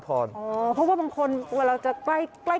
อ๋อเพราะว่าบางคนเวลาจะไป